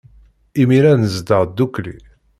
Imir-a, nezdeɣ ddukkli.